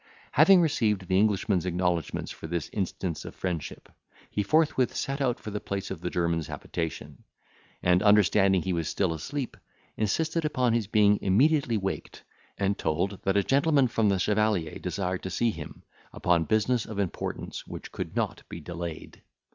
Having received the Englishman's acknowledgments for this instance of friendship, he forthwith set out for the place of the German's habitation, and understanding he was still asleep, insisted upon his being immediately waked, and told, that a gentleman from the chevalier desired to see him, upon business of importance which could not be delayed.